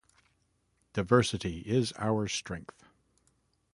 Diversity is our strength.